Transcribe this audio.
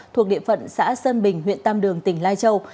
thuộc địa phận xã sơn bình huyện tam đường tỉnh lai châu